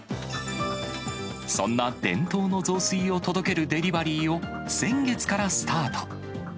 そんな伝統の雑炊を届けるデリバリーを先月からスタート。